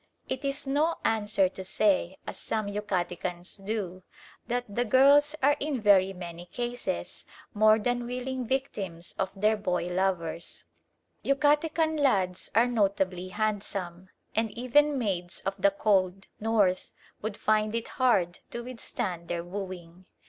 It is no answer to say, as some Yucatecans do, that the girls are in very many cases more than willing victims of their boy lovers. Yucatecan lads are notably handsome, and even maids of the cold North would find it hard to withstand their wooing.